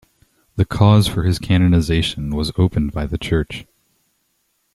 The cause for his canonization was opened by the Church.